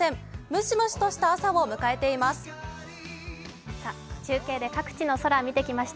蒸し蒸しとした朝を迎えています。